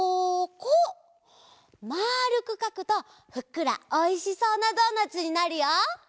まるくかくとふっくらおいしそうなドーナツになるよ！